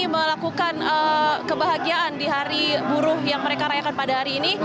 melakukan kebahagiaan di hari buruh yang mereka rayakan pada hari ini